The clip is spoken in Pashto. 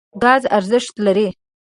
ګاز ارزښت لري.